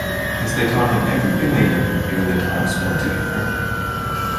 As they taught him everything they knew during the time spent together.